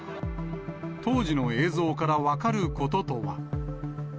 当時の映像から分かることとは。